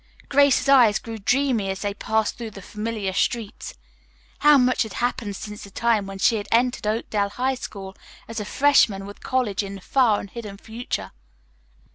Grace's eyes grew dreamy as they passed through the familiar streets. How much had happened since the time when she had entered Oakdale High School as a freshman with college in the far and hidden future.